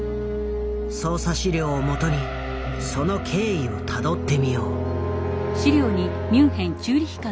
捜査資料をもとにその経緯をたどってみよう。